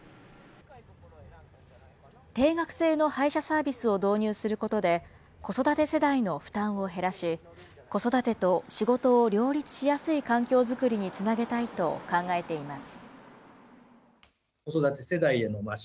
定額制の配車サービスを導入することで、子育て世代の負担を減らし、子育てと仕事を両立しやすい環境作りにつなげたいと考えています。